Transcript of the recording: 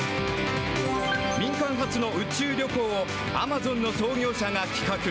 民間初の宇宙旅行を、アマゾンの創業者が企画。